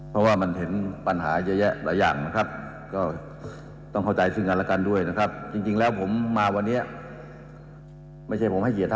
ปันผล๖เดือนปีเอาเงินอย่างเดียว